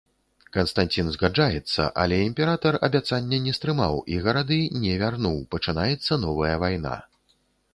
Канстанцін згаджаецца, але імператар абяцання не стрымаў і гарады не вярнуў, пачынаецца новая вайна.